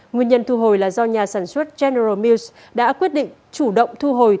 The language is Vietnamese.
nguyên nhân thu hồi là do nhà sản xuất general musk đã quyết định chủ động thu hồi